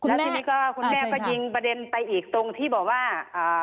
แล้วทีนี้ก็คุณแม่ก็ยิงประเด็นไปอีกตรงที่บอกว่าอ่า